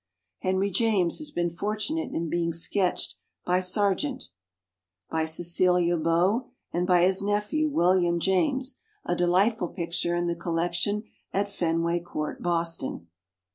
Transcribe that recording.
Henry James has been fortunate in being sketched by Sargent, by Cecilia Beaux, and by his nephew William James, a delight ful picture in the collection at Fenway Court, Boston.